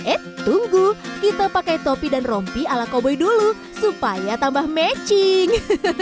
eh tunggu kita pakai topi dan rompi ala koboi dulu supaya tambah matching